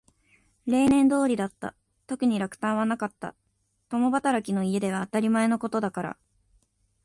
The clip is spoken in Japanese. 例年通りだった。特に落胆はなかった。共働きの家では当たり前のことだから。